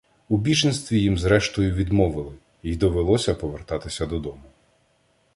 У біженстві їм зрештою відмовили, й довелося повертатися додому